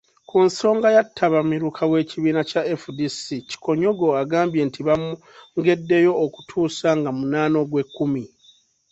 Ku nsonga ya tabamiruka w'ekibiina kya FDC, Kikonyogo agambye nti bamwongeddeyo okutuusa nga munaana ogw'ekumi.